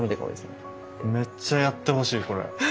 めっちゃやってほしいこれ。